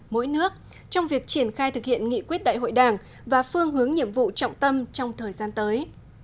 mỗi nước trong việc triển khai thực hiện nghị quyết đại hội đảng và phương hướng nhiệm vụ trọng tâm trong thời gian tới